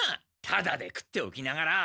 タダで食っておきながら。